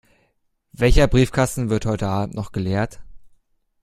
Welcher Briefkasten wird heute Abend noch geleert?